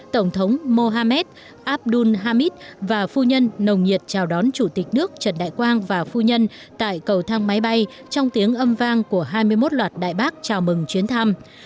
tổng thống mohamed abdul hamid và phu nhân nồng nhiệt chào đón chủ tịch nước trần đại quang và phu nhân tại cầu thang máy bay trong tiếng âm vang của hai mươi một loạt đại bác chào mừng chuyến thăm